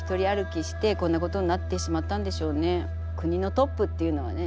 国のトップっていうのはね